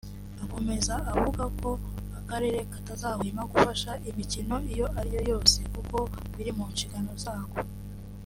Akomeza avuga ko Akarere katazahwema gufasha imikino iyo ari yo yose kuko biri mu nshingano zako